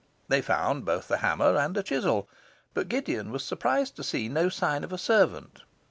They found both the hammer and a chisel; but Gideon was surprised to see no sign of a servant.